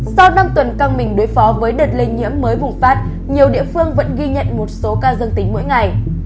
sau năm tuần căng mình đối phó với đợt lây nhiễm mới bùng phát nhiều địa phương vẫn ghi nhận một số ca dân tính mỗi ngày